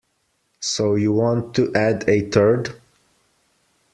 So you want to add a third?